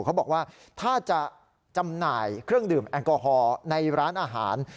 เขาบอกว่าถ้าจะจำหน่ายเครื่องดื่มแอลกอฮอล์ในร้านอาหาร